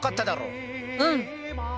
うん。